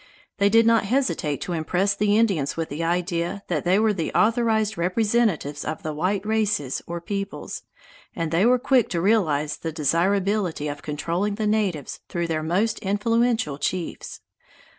They did not hesitate to impress the Indians with the idea that they were the authorized representatives of the white races or peoples, and they were quick to realize the desirability of controlling the natives through their most influential chiefs.